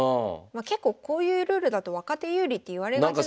結構こういうルールだと若手有利っていわれがちなんですけど。